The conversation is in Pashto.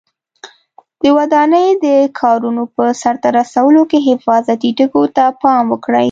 د ودانۍ د کارونو په سرته رسولو کې حفاظتي ټکو ته پام وکړئ.